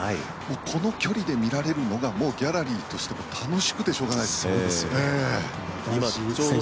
この距離で見られるのがギャラリーとしても楽しくてしょうがないですね。